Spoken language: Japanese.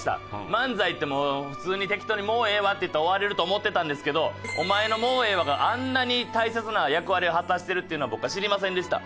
漫才ってもう普通に適当に「もうええわ」って言ったら終われると思ってたんですけどお前の「もうええわ」があんなに大切な役割を果たしてるっていうのを僕は知りませんでした。